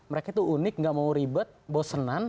mereka tuh unik nggak mau ribet bosenan